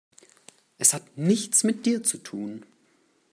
Es hat nichts mit dir zu tun.